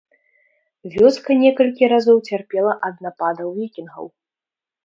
Вёска некалькі разоў цярпела ад нападаў вікінгаў.